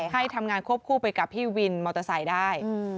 ให้ทำงานควบคู่ไปกับพี่วินมอเตอร์ไซค์ได้